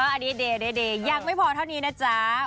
อันนี้เดย์ยังไม่พอเท่านี้นะจ๊ะ